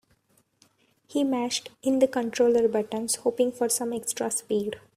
He mashed in the controller buttons, hoping for some extra speed.